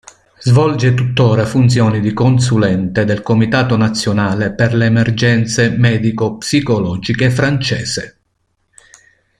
Svolge tuttora funzioni di Consulente del "Comitato Nazionale per le Emergenze Medico-Psicologiche" francese.